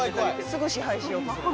「すぐ支配しようとする」